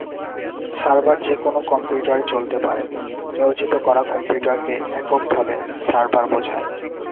Server যে কোন কম্পিউটারে চলতে পারে, নিয়োজিত করা কম্পিউটারকে একক ভাবে "সার্ভার" বুঝায়।